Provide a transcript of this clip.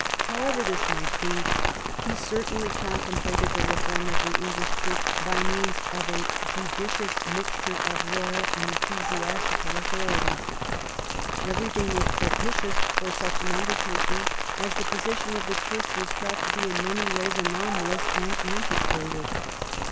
However this might be, he certainly contemplated theji reform of the English Church by means of a judicious ' mixture of royal and ecclesiastical authority. Every thing was propitious for such an imdertaking, as the position of the Church was felt to be in many ways anomalous and antiquated.